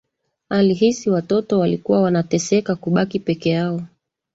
Alihisi watoto walikuwa wanateseka kubaki peke yao